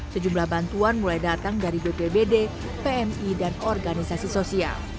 sejumlah bantuan mulai datang dari bpbd pmi dan organisasi sosial